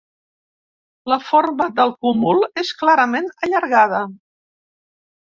La forma del cúmul és clarament allargada.